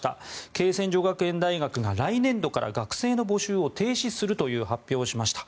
恵泉女学園大学が、来年度から学生の募集を停止するという発表をしました。